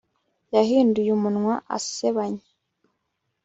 Yahinduye umunwa asebanya